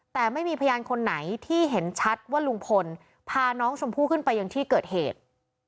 แต่ไม่มีพยานคนไหนที่เห็นชัดว่าลุงพลพาน้องชมพู่ขึ้นไปยังที่เกิดเหตุ